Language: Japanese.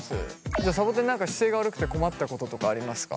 じゃさぼてん何か姿勢が悪くて困ったこととかありますか？